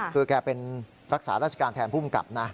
คือแกเป็นรักษาราชการแทนภูมิกับนะ